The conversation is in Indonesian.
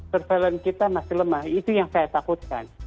surveillance kita masih lemah itu yang saya takutkan